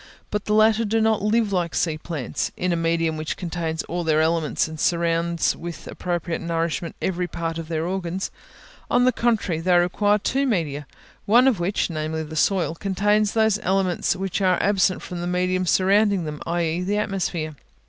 But the latter do not live like sea plants, in a medium which contains all their elements and surrounds with appropriate nourishment every part of their organs; on the contrary, they require two media, of which one, namely the soil, contains those essential elements which are absent from the medium surrounding them, i.e. the atmosphere.